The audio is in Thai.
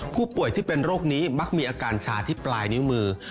ผู้ป่วยที่เป็นโรคนี้มักมีอาการชาที่ปลายนิ้วมือ